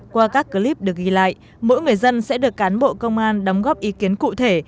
qua các clip được ghi lại mỗi người dân sẽ được cán bộ công an đóng góp ý kiến cụ thể